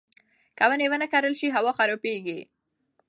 که ونې ونه کرل شي، هوا خرابېږي.